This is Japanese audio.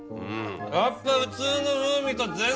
やっぱ普通の風味と全然違う！